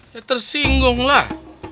ya tersinggung lah